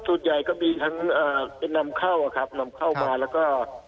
ส่วนใหญ่ก็มีทั้งนำเข้าครับนำเข้ามาแล้วก็